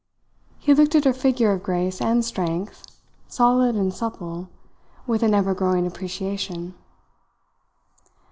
He looked at her figure of grace and strength, solid and supple, with an ever growing appreciation.